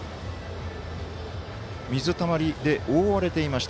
水たまりで覆われていました。